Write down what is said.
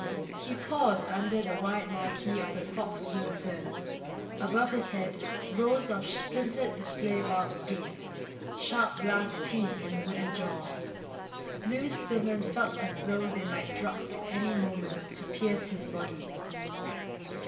He paused under the wide marquee of the FOX WILTERN. Above his head, rows of splintered display bulbs gaped sharp glass teeth in wooden jaws. Lewis Stillman felt as though they might drop at any moment to pierce his body.